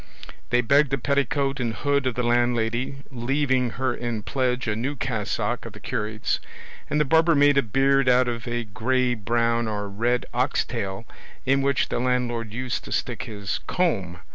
They begged a petticoat and hood of the landlady, leaving her in pledge a new cassock of the curate's; and the barber made a beard out of a grey brown or red ox tail in which the landlord used to stick his comb.